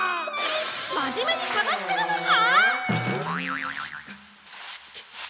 真面目に探してるのか！？